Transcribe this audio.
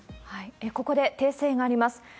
ここで訂正があります。